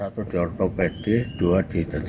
tidak adanya ketimpannya disini